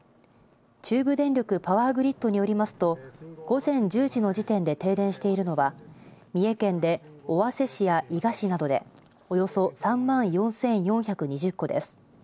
中部電力パワーグリッドによりますと午前１０時の時点で停電しているのは三重県で尾鷲市や伊賀市などでおよそ３万４４２０戸です。